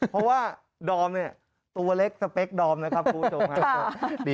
เพราะว่าดอมเนี่ยตัวเล็กสเปคดอมนะครับคุณผู้ชมครับ